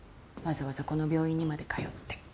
わざわざこの病院にまで通って。